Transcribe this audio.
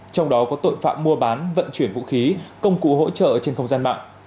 trong đó có tội phạm mua bán vận chuyển vũ khí công cụ hỗ trợ trên không gian mạng